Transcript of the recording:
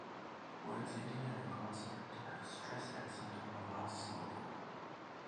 Words ending in a consonant have a stress accent on the last syllable.